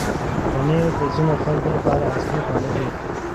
پنېر د ځینو خلکو لپاره اصلي خواړه دی.